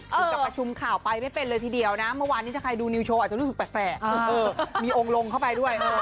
ถึงกับประชุมข่าวไปไม่เป็นเลยทีเดียวนะเมื่อวานนี้ถ้าใครดูนิวโชว์อาจจะรู้สึกแปลกมีองค์ลงเข้าไปด้วย